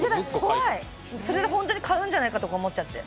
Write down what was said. それで本当に買うんじゃないかとか思っちゃって。